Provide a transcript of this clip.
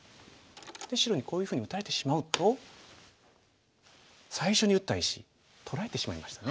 で白にこういうふうに打たれてしまうと最初に打った石取られてしまいましたね。